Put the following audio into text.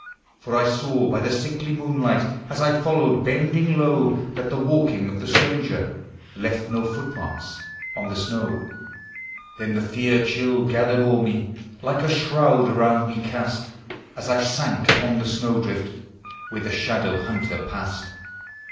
For I saw by the sickly moonlight As I followed, bending low, That the walking of the stranger Left no footmarks on the snow. MYTHICAL: LEGENDARY. 169 Then the fear chill gathered o'er me, Like a shroud around me cast, As I sank upon the snow drift Where the Shadow hunter passed.